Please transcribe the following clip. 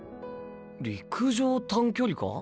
陸上短距離か？